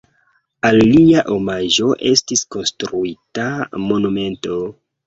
Al lia omaĝo estis konstruita monumento.